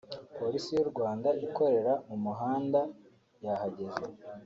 Polisi y’u Rwanda ikorera mu muhanda yahageze